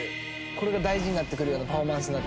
これが大事になってくるようなパフォーマンス。